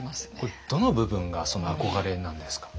これどの部分が憧れなんですか？